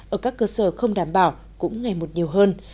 ở các cơ sở không đảm bảo cũng ngày một nhiều hơn